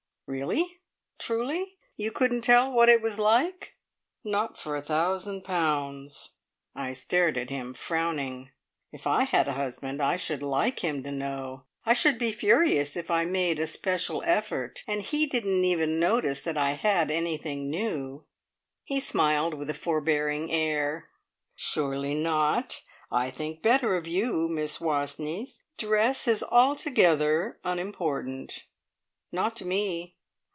"Really? Truly? You couldn't tell what it was like?" "Not for a thousand pounds!" I stared at him, frowning. "If I had a husband I should like him to know. I should be furious if I made a special effort, and he didn't even notice that I had anything new." He smiled with a forbearing air. "Surely not! I think better of you, Miss Wastneys. Dress is altogether unimportant." "Not to me.